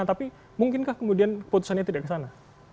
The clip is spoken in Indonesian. tapi mungkinkah kemudian keputusannya tidak ke sana